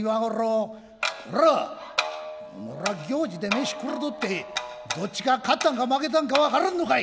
「こらっおのれは行司で飯食ろうとってどっちが勝ったんか負けたんかわからんのかい」。